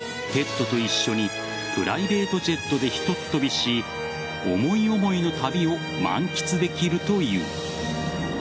４００万円ほどで目的地までペットと一緒にプライベートジェットでひとっ飛びし思い思いの旅を満喫できるという。